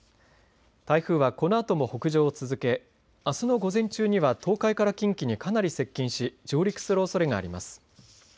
台風はこのあとも北上を続けあすの午前中には東海から近畿にかなり接近し上陸するおそれがあります。